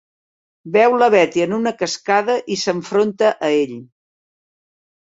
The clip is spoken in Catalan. Veu la Betty en una cascada i s'enfronta a ell.